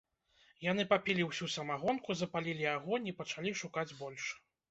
Яны папілі ўсю самагонку, запалілі агонь і пачалі шукаць больш.